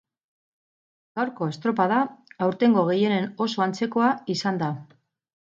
Gaurko estropada aurtengo gehienen oso antzekoa izan da.